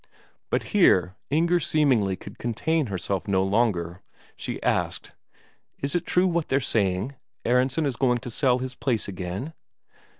But here Inger seemingly could contain herself no longer; she asked: "Is it true what they're saying, Aronsen is going to sell his place again?"